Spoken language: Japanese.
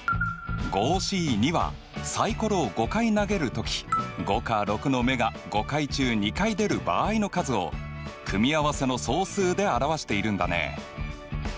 Ｃはサイコロを５回投げるとき５か６の目が５回中２回出る場合の数を組み合わせの総数で表しているんだね。